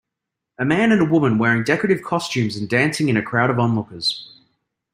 A man and a woman wearing decorative costumes and dancing in a crowd of onlookers.